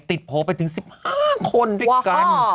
ติดโพลไปถึง๑๕คนด้วยกัน